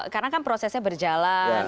karena kan prosesnya berjalan